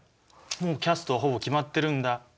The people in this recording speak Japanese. もうキャストはほぼ決まってるんだ。